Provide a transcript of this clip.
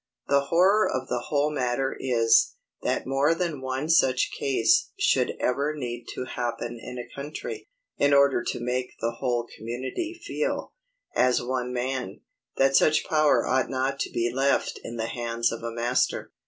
The horror of the whole matter is, that more than one such case should ever need to happen in a country, in order to make the whole community feel, as one man, that such power ought not to be left in the hands of a master.